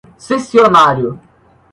cessionário